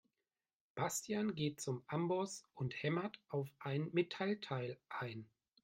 Bastian geht zum Amboss und hämmert auf ein Metallteil ein.